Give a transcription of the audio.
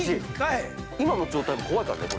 今の状態も怖いかんね、これ。